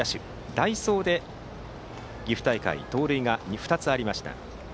代走で岐阜大会で盗塁が２つありました。